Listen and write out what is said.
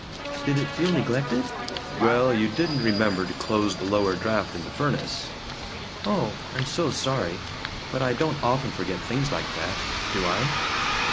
"Did it feel neglected?" "Well, you didn't remember to close the lower draft in the furnace." "Oh, I'm so sorry. But I don't often forget things like that, do I?"